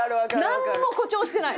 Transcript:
なんも誇張してない。